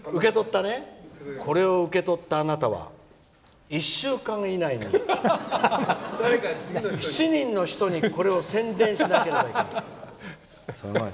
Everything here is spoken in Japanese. これを受け取ったあなたは１週間以内に７人の人にこれを宣伝しなければならない。